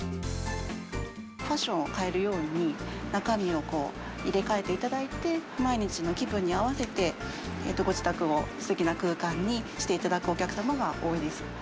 ファッションを変えるように、中身を入れ替えていただいて、毎日の気分に合わせて、ご自宅をすてきな空間にしていただくお客様が多いです。